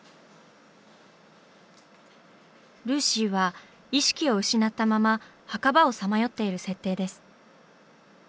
ルーシーは意識を失ったまま墓場をさまよっている設定です。